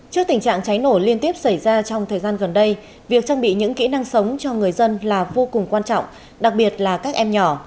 trước tình trạng cháy nổ liên tiếp xảy ra trong thời gian gần đây việc trang bị những kỹ năng sống cho người dân là vô cùng quan trọng đặc biệt là các em nhỏ